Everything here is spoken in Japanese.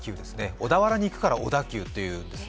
小田原に行くから小田急というんですね。